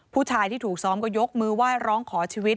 ผู้ชายที่ถูกซ้อมก็ยกมือไหว้ร้องขอชีวิต